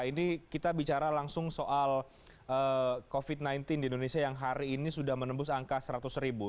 ini kita bicara langsung soal covid sembilan belas di indonesia yang hari ini sudah menembus angka seratus ribu